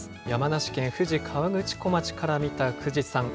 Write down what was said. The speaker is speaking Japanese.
山梨県富士河口湖町から見た富士山。